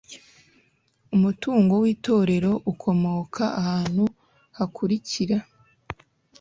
umutungo w'itorero ukomoka ahantu hakurikira